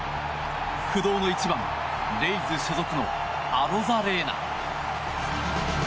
不動の１番レイズ所属のアロザレーナ。